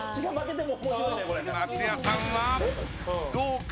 松也さんはどうか？